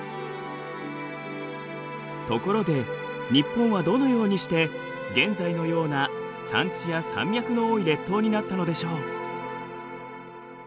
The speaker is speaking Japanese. ところで日本はどのようにして現在のような山地や山脈の多い列島になったのでしょう？